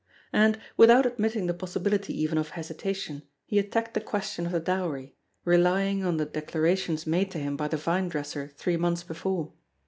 And, without admitting the possibility even of hesitation, he attacked the question of the dowry, relying on the declarations made to him by the vinedresser three months before.